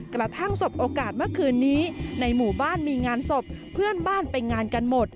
สบโอกาสเมื่อคืนนี้ในหมู่บ้านมีงานศพเพื่อนบ้านไปงานกันหมด